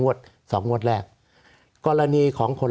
สวัสดีครับทุกคน